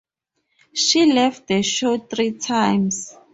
She left the show three times.